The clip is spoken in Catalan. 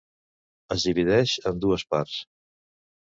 Es divideix en dues parts.